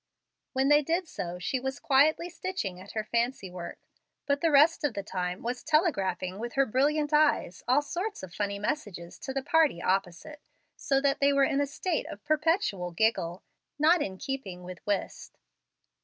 When they did so she was quietly stitching at her fancy work, but the rest of the time was telegraphing with her brilliant eyes all sorts of funny messages to the party opposite, so that they were in a state of perpetual giggle, not in keeping with whist.